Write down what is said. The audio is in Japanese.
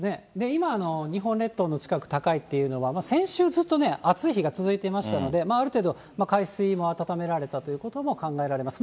今、日本列島の近く、高いっていうのは、先週ずっと暑い日が続いていましたので、ある程度、海水も温められたということも考えられます。